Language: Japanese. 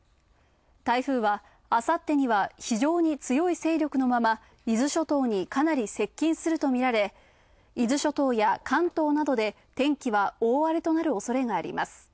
台風はあさってには非常に強い勢力のまま、伊豆諸島にかなり接近するとみられ、伊豆諸島や関東などで天気は大荒れとなるおそれがあります。